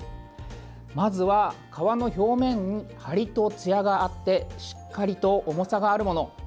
まずは皮の表面に張りとつやがあってしっかりと重さがあるもの。